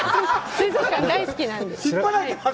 水族館、大好きなんです。